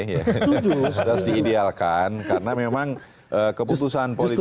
harus diidealkan karena memang keputusan politik